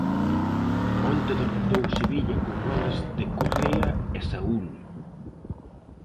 Onte derrotou o Sevilla con goles de Correa e Saúl.